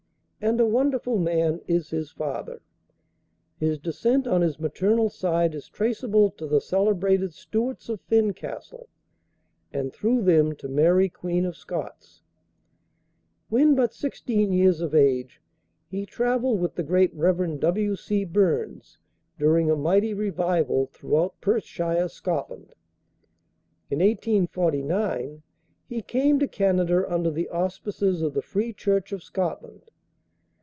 And a wonderful man is his father. His descent on his maternal side is traceable to the celebrated Stuarts of Fincastle, and through them to Mary, Queen of Scots. When but sixteen years of age, he travelled with the great Rev. W. C. Burns, during a mighty revival, throughout Perthshire, Scotland. In 1849 he came to Canada under the auspices of the Free Church of Scotland.